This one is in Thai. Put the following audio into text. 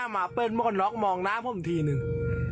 มาเปิดโมงนอกมองน้ำเพิ่มทีหนึ่ง